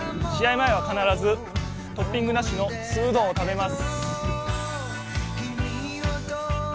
前は必ずトッピングなしの素うどんを食べます。